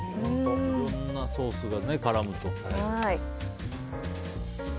いろんなソースが絡むと。